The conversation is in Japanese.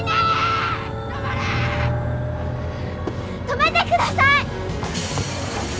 止めてください！